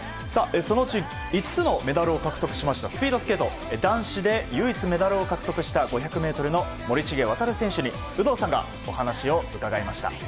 そのうち５つのメダルを獲得しましたスピードスケート男子で唯一メダルを獲得した５００ｍの森重航選手に有働さんがお話を伺いました。